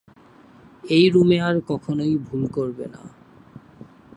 এই রুমে আর কখনোই ভুল করবে না।